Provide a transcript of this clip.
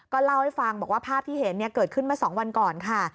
เล่าให้ฟังบอกว่าภาพที่เห็นเกิดขึ้นมา๒วันก่อนค่ะ